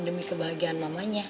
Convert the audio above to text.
demi kebahagiaan mamanya